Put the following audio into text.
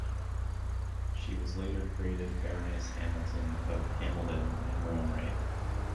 She was later created Baroness Hamilton of Hameldon in her own right.